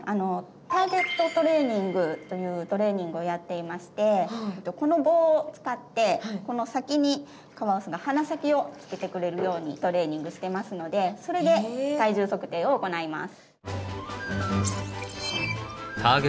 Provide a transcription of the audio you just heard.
ターゲットトレーニングというトレーニングをやっていましてこの棒を使ってこの先にカワウソが鼻先をつけてくれるようにトレーニングしてますのでそれで体重測定を行います。